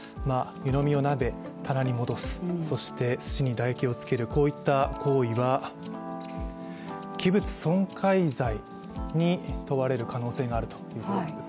湯飲みをなめ、棚に戻す、すしに唾液をつける、こういった行為は器物損壊罪に問われる可能性があります。